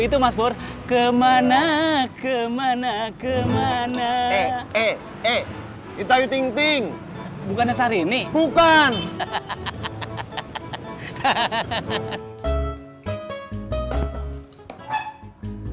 itu mas pur kemana kemana kemana eh eh eh itayu ting ting bukan syahrini bukan hahaha hahaha